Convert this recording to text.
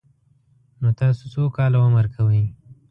_نو تاسو څو کاله عمر کوئ؟